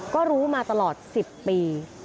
ก็รู้มาตลอด๑๐ปี